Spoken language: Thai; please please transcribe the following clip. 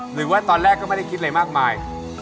หรือว่าตอนแรกก็ไม่ได้คิดอะไรมากมาย